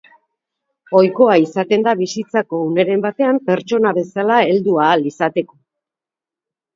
Ohikoa izaten da bizitzako uneren batean pertsona bezala heldu ahal izateko.